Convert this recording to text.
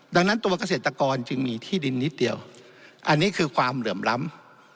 ดังนั้นตัวเกษตรกรจึงมีที่ดินนิดเดียวอันนี้คือความเหลื่อมล้ำ